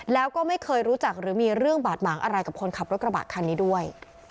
แล้วก็ไม่เคยรู้จักหรือมีเรื่องบาดหมางอะไรกับคนขับรถกระบะคันนี้ด้วย